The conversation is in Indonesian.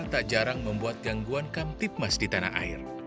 tak jarang membuat gangguan kamtipmas di tanah air